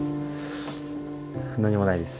何もないです。